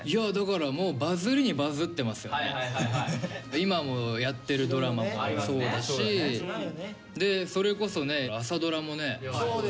今もやってるドラマもそうだしそれこそね朝ドラもね。